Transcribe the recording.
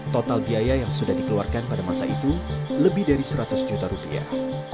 total biaya yang sudah dikeluarkan pada masa itu lebih dari seratus juta rupiah